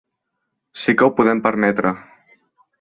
Sí que ho podem permetre.